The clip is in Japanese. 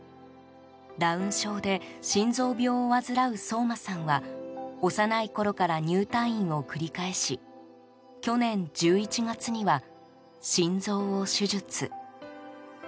ダウン症で心臓病を患う想真さんは幼いころから入退院を繰り返し去年１１月には心臓を手術。